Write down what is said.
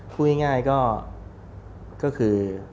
พูดง่ายก็คือ